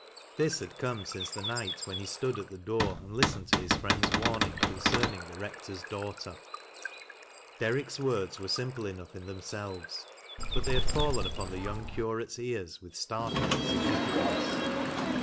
This had come since the night when he stood at the dooi and listened to his friend's warning concerning the Rec tor's daughter. Derrick's words were simple enough in tiiemselves, but they had fallen up&n the young Curate's ears with startling significance.